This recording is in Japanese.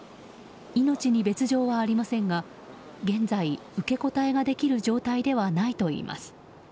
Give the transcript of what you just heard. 命に別条はありませんが現在、受け答えができる状態ではないといいます。